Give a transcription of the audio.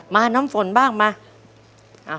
น้ำฝนบ้างมา